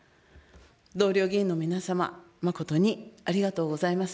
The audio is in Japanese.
同僚議員の皆様、誠にありがとうございます。